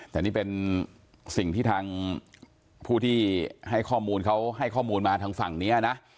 แต่นี่เป็นสิ่งที่ทางผู้ที่ให้ข้อมูลเขาให้ข้อมูลมาทางฝั่งนี้นะ